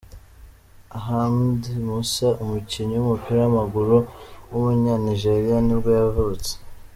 Ahmed Musa, umukinnyi w’umupira w’amaguru w’umunyanigeriya nibwo yavutse.